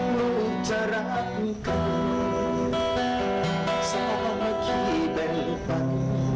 ทุกทางนี้ลูกจะรักกันสามารถที่เป็นฝัน